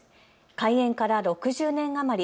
開園から６０年余り。